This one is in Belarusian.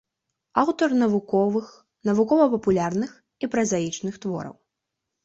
Аўтар навуковых, навукова-папулярных і празаічных твораў.